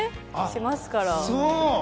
しますから。